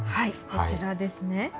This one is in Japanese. こちらですね。